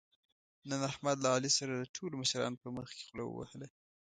نن احمد له علي سره د ټولو مشرانو په مخکې خوله ووهله.